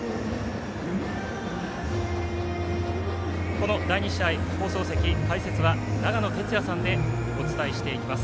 この第２試合、放送席・解説は長野哲也さんでお伝えしていきます。